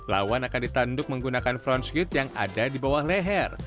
lawan akan ditanduk menggunakan front skit yang ada di bawah leher